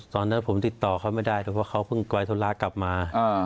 ตอนนั้นผมติดต่อเขาไม่ได้เลยเพราะเขาเพิ่งปล่อยธุระกลับมา